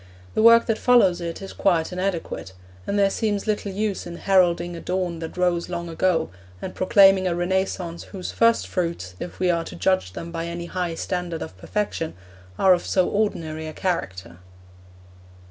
The work that follows it is quite inadequate, and there seems little use in heralding a dawn that rose long ago, and proclaiming a Renaissance whose first fruits, if we are to judge them by any high standard of perfection, are of so ordinary a character.